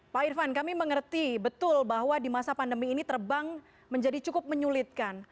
pak irvan kami mengerti betul bahwa di masa pandemi ini terbang menjadi cukup menyulitkan